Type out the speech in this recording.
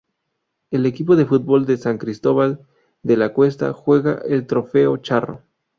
El equipo de fútbol de San Cristóbal de la Cuesta, juega el Trofeo Charro.